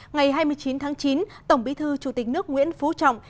ngày hai mươi chín tháng chín tổng bí thư chủ tịch nước nguyễn phú trọng